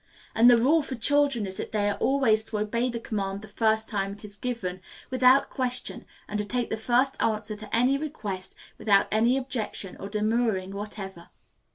And the rule for children is that they are always to obey the command the first time it is given, without question, and to take the first answer to any request without any objection or demurring whatever.